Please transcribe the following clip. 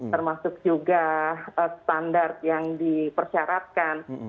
termasuk juga standar yang dipersyaratkan